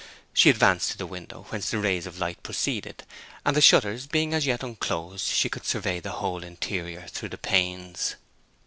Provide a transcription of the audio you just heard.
She advanced to the window whence the rays of light proceeded, and the shutters being as yet unclosed, she could survey the whole interior through the panes.